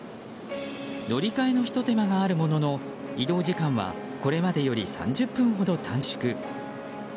乗り換えのひと手間があるものの移動時間はこれまでより３０分ほど短縮。